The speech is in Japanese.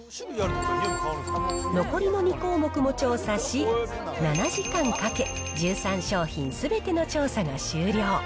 残りの２項目も調査し、７時間かけ、１３商品すべての調査が終了。